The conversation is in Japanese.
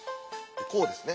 こうですね。